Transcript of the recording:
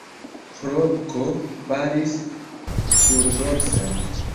Ĥlopko falis surdorsen.